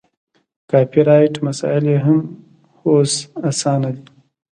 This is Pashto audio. کاپي رایټ مسایل یې هم اوس اسانه دي.